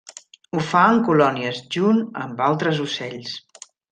Ho fa en colònies, junt amb altres ocells.